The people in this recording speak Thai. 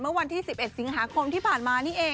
เมื่อวันที่๑๑ศิษย์ฮาคม